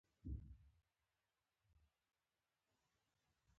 ځینې خلک په ټولنیزو مسایلو کې پرېکنده دریځ لري